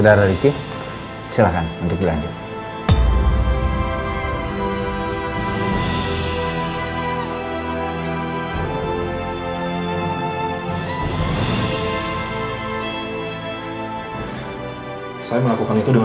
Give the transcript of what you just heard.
sampai jumpa di video selanjutnya